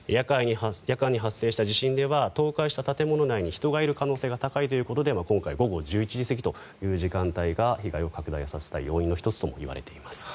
夜間に発生した地震では倒壊した建物内に人がいる可能性が高いということで今回午後１１時過ぎという時間帯が被害を拡大させた要因の１つともいわれています。